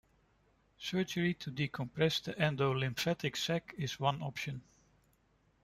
Surgery to decompress the endolymphatic sac is one option.